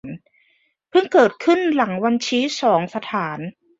เพิ่งเกิดขึ้นหลังวันชี้สองสถาน